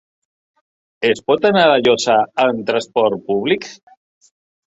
Es pot anar a La Llosa amb transport públic?